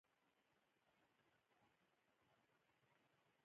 هغه باید د انجنیری ستونزې وپيژني.